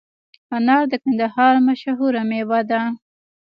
انار د کندهار مشهوره مېوه ده